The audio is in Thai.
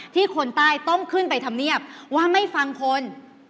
คนใต้ต้องขึ้นไปทำเนียบว่าไม่ฟังคน